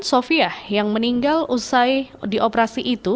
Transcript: sofia yang meninggal usai di operasi itu